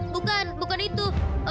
bukan bukan itu